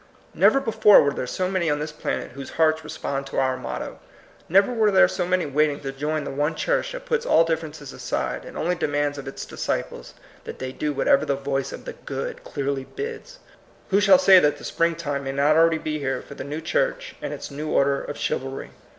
Never before were there so many on this planet whose hearts respond to our motto. Never were there so many waiting to join the one church that puts all differences aside, and only demands of its disciples that they do whatever the voice of the Good clearly bids. Who shall say that the springtime may not already be here for the new church and its new order of chivalry?